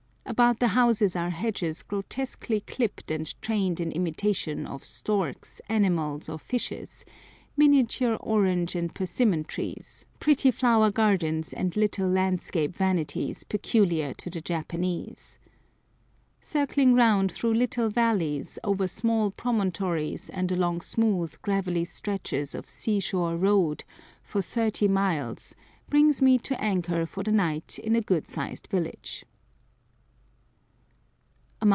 About the houses are hedges grotesquely clipped and trained in imitation of storks, animals, or fishes, miniature orange and persimmon trees, pretty flower gardens and little landscape vanities peculiar to the Japanese. Circling around through little valleys, over small promontories and along smooth, gravelly stretches of sea shore road, for thirty miles, brings me to anchor for the night in a good sized village.